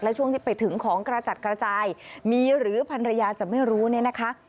และช่วงที่ไปถึงของกระจัดกระจายมีหรือพันรยาจะไม่รู้เนี่ยนะคะ